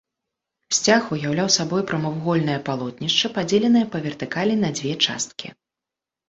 Сцяг уяўляў сабой прамавугольнае палотнішча, падзеленае па вертыкалі на дзве часткі.